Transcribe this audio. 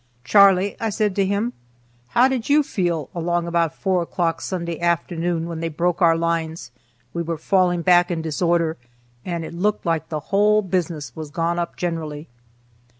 "Charley," I said to him, "How did you feel along about four o'clock Sunday afternoon when they broke our lines, we were falling back in disorder, and it looked like the whole business was gone up generally?"